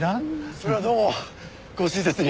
それはどうもご親切に。